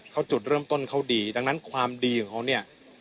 เขาจุดเริ่มต้นเขาดีดังนั้นความดีของเขาเนี่ย